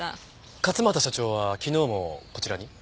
勝又社長は昨日もこちらに？